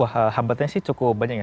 hambatannya sih cukup banyak ya